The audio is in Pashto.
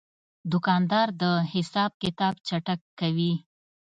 دوکاندار د حساب کتاب چټک کوي.